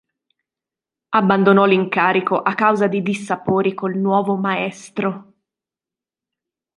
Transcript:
Abbandonò l'incarico a causa di dissapori col nuovo maestro.